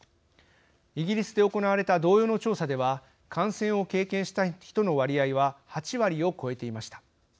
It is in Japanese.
イギリスで行われた同様の調査では感染を経験した人の割合は８割を超えていました。